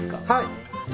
はい！